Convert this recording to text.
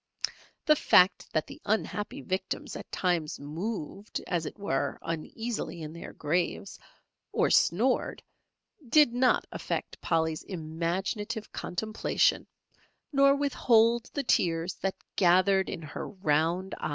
The fact that the unhappy victims at times moved as it were uneasily in their graves or snored, did not affect Polly's imaginative contemplation, nor withhold the tears that gathered in her round eyes.